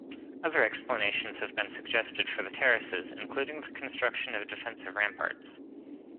Other explanations have been suggested for the terraces, including the construction of defensive ramparts.